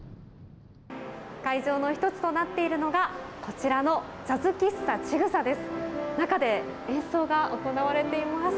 会場の１つとなっているのがこちらのジャズ喫茶ちぐさです。